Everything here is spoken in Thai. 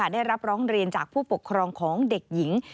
ได้รับร้องเรียนจากผู้ปกครองของเด็กหญิง